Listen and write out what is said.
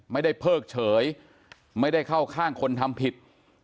เพิกเฉยไม่ได้เข้าข้างคนทำผิด